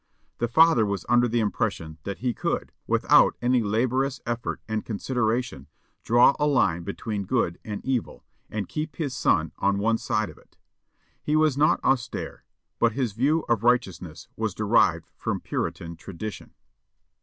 The father was under the impression that he could, without any laborious effort and consideration, draw a line between good and evil, and keep his son on one side of it. He was not austere but his view of righteousness was derived from puritan tradition.